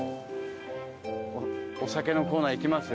お酒のコーナー行きます？